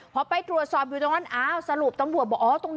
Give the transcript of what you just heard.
พอไปตรวจสอบอยู่ตรงนั้นอ้าวสรุปตำรวจบอกอ๋อตรงนี้